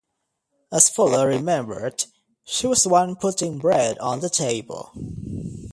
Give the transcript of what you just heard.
As Fuller remembered, she was the one putting bread on the table.